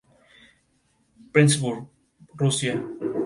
Es la fecha de lanzamiento en todo el mundo".